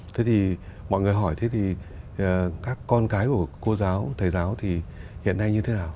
thế thì mọi người hỏi thế thì các con cái của cô giáo thầy giáo thì hiện nay như thế nào